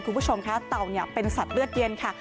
คุณผู้ชมค่ะเต่าเป็นสัตว์เลือดเย็นค่ะ